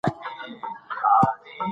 تصویري ژبه په شعر کې ډېره مهمه ده.